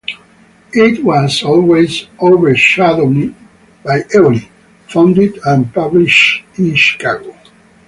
It was always overshadowed by "Ebony," founded and published in Chicago.